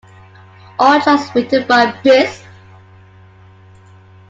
All tracks written by Bis.